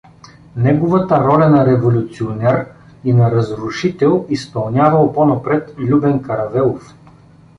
Неговата роля на революционер и на разрушител изпълнявал по-напред Любен Каравелов.